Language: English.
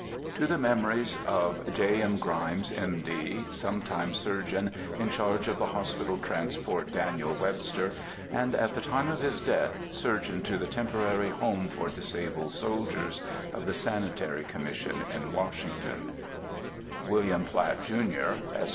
_ TO THE MEMORIES OF J. M. GRYMES, M. D., sometime Surgeon in charge of the Hospital Transport Daniel Webster, and, at the time of his death, Surgeon to the temporary Home for disabled soldiers, of the Sanitary Commission at Washington;— WILLIAM PLATT, JUNIOR, ESQ.